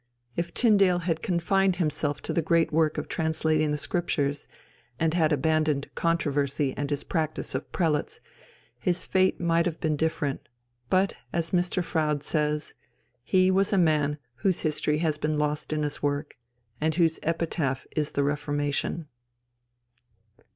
If Tyndale had confined himself to the great work of translating the Scriptures, and had abandoned controversy and his Practice of Prelates, his fate might have been different; but, as Mr. Froude says, "he was a man whose history has been lost in his work, and whose epitaph is the Reformation."